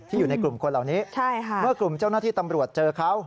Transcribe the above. อยู่ในกลุ่มคนเหล่านี้เมื่อกลุ่มเจ้าหน้าที่ตำรวจเจอเขา